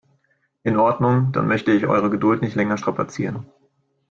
In Ordnung, dann möchte ich eure Geduld nicht länger strapazieren.